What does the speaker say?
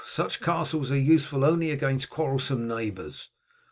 Such castles are useful only against quarrelsome neighbours.